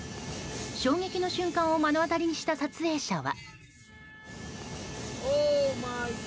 衝撃の瞬間を目の当たりにした撮影者は。